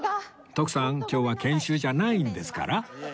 徳さん今日は研修じゃないんですから